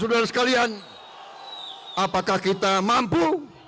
saudara sekalian apakah kita mampu